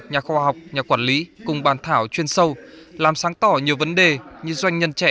nhà khoa học nhà quản lý cùng bàn thảo chuyên sâu làm sáng tỏ nhiều vấn đề như doanh nhân trẻ